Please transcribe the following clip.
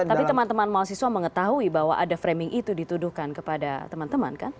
tapi teman teman mahasiswa mengetahui bahwa ada framing itu dituduhkan kepada teman teman kan